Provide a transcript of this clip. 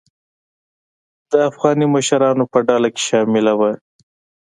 د افغاني مشرانو په ډله کې شامله وه.